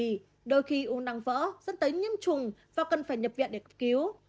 nếu không điều trị đôi khi u năng vỡ dẫn tới nhiễm trùng và cần phải nhập viện để cứu